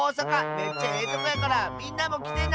めっちゃええとこやからみんなもきてな！